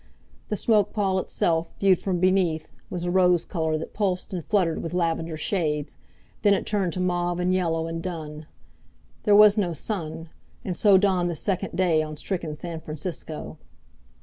The smoke pall itself, viewed from beneath, was a rose color that pulsed and fluttered with lavender shades Then it turned to mauve and yellow and dun. There was no sun. And so dawned the second day on stricken San Francisco.